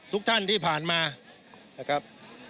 ทุกท่านที่ผ่านมานะครับ